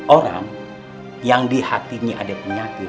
orang yang di hatinya ada penyakit